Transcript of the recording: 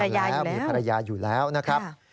อยู่แล้วมีภรรยาอยู่แล้วนะครับ